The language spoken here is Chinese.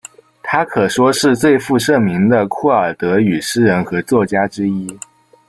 她可说是最负盛名的库尔德语诗人和作家之一。